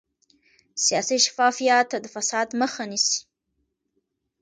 سیاسي شفافیت د فساد مخه نیسي